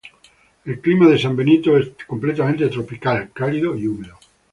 El clima de San Benito es completamente tropical, cálido y húmedo.